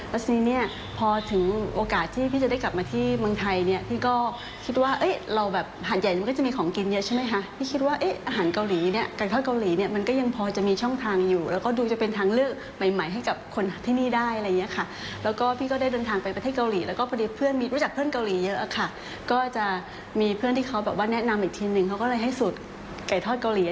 และทีนี้พอถึงโอกาสที่พี่จะได้กลับมาที่เมืองไทย